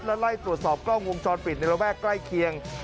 แล้วไล่ตรวจสอบกล้องวงชอนปิดในแบบกล้ายเคียง